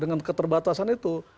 dengan keterbatasan itu